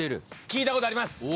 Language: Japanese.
聞いたことあります。